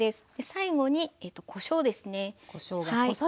最後にこしょうですね。